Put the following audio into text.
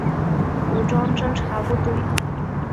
武装侦察部队。